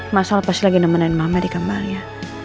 masalah pasti lagi nemenin mama di kamarnya